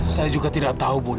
saya juga tidak tahu budi